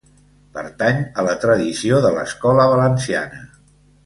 Pertany a la tradició de l'Escola Valenciana.